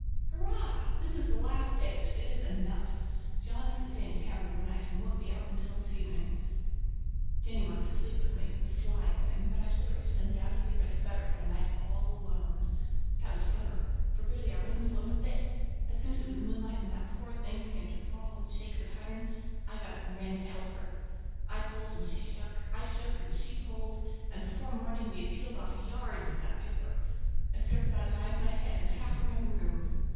Hurrah! This is the last day, but it is enough. John is to stay in town over night, and won't be out until this evening. Jennie wanted to sleep with me—the sly thing! but I told her I should undoubtedly rest better for a night all alone. That was clever, for really I wasn't alone a bit! As soon as it was moonlight, and that poor thing began to crawl and shake the pattern, I got up and ran to help her. I pulled and she shook, I shook and she pulled, and before morning we had peeled off yards of that paper. A strip about as high as my head and half around the room.